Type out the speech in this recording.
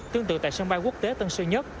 tương tự tại sân bay quốc tế tân sơn nhất